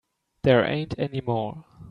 There ain't any more.